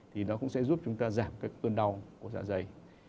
thì nó cũng sẽ giúp chúng ta giảm các cơn đau của dạ dày